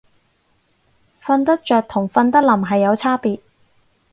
瞓得着同瞓得稔係有差別